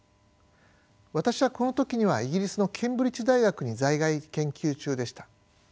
私はこの時にはイギリスのケンブリッジ大学に在外研究中でした。